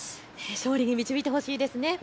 勝利に導いてほしいですね。